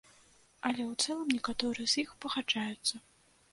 Але ў цэлым некаторыя з іх пагаджаюцца.